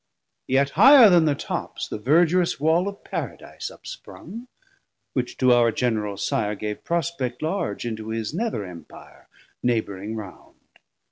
Yet higher then thir tops The verdurous wall of Paradise up sprung: Which to our general Sire gave prospect large Into his neather Empire neighbouring round.